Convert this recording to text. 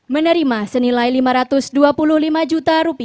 menerima senilai rp lima ratus dua puluh lima juta